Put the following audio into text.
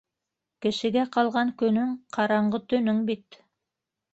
Кешегә ҡалған көнөң - ҡараңғы төнөң бит...